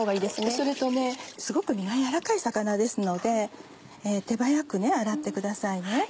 それとすごく身が柔らかい魚ですので手早く洗ってくださいね。